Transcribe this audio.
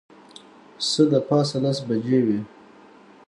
څه د پاسه لس بجې وې.